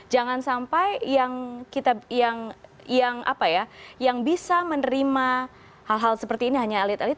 jangan sampai yang bisa menerima hal hal seperti ini hanya elit elit